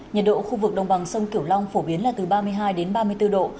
nhiệt độ khu vực đồng bằng sông kiểu long phổ biến là từ ba mươi hai đến ba mươi bốn độ